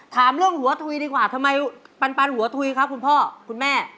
ถามเรื่องหัวถุยดีกว่าทำไมปันหัวทุยครับคุณพ่อคุณแม่